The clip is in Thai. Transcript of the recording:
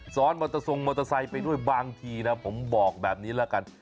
ซ้อนมอเตอร์ทรงมอเตอร์ไซค์ไปด้วยบางทีนะผมบอกแบบนี้แล้วกัน